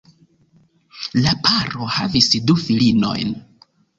La paro havis du filinojn.